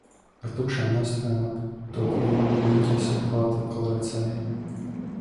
Ar tukšām nestuvēm apmetot lielu riņķi esam klāt atkal racējiem.